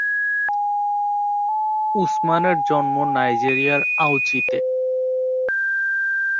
উসমানের জন্ম নাইজেরিয়ার আউচিতে।